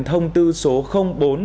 thông tư số bốn hai nghìn hai mươi ba